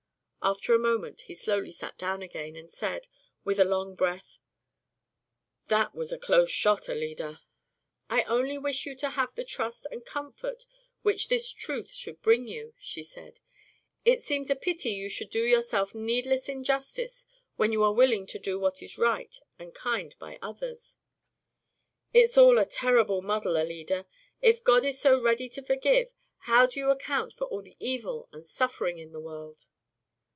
After a moment, he slowly sat down again and said, with a long breath, "That was a close shot, Alida." "I only wish you to have the trust and comfort which this truth should bring you," she said. "It seems a pity you should do yourself needless injustice when you are willing to do what is right and kind by others." "It's all a terrible muddle, Alida. If God is so ready to forgive, how do you account for all the evil and suffering in the world?"